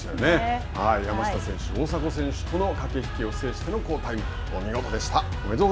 山下選手、大迫選手との駆け引きを制しての好タイムお見事でした。